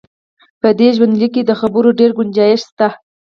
په دې ژوندلیک د خبرو ډېر ګنجایش شته.